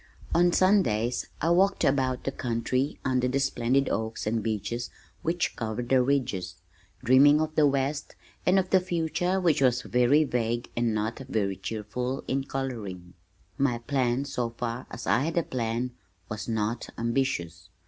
On Sundays I walked about the country under the splendid oaks and beeches which covered the ridges, dreaming of the West, and of the future which was very vague and not very cheerful in coloring. My plan so far as I had a plan, was not ambitious.